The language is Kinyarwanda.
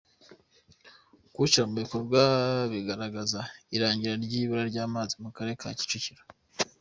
Kuwushyira mu bikorwa bigaragaza irangira ry’ibura ry’amazi mu karere ka Kicukiro.